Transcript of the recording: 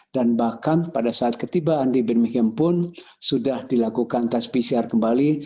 dan bahkan pada saat ketibaan di birmingham pun sudah dilakukan tes pcr kembali